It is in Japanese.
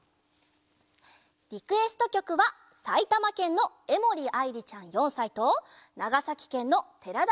リクエストきょくはさいたまけんのえもりあいりちゃん４さいとながさきけんのてらだ